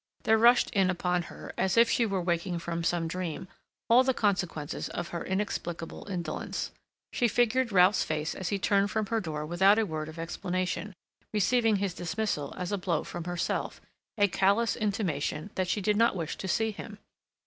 There rushed in upon her, as if she were waking from some dream, all the consequences of her inexplicable indolence. She figured Ralph's face as he turned from her door without a word of explanation, receiving his dismissal as a blow from herself, a callous intimation that she did not wish to see him.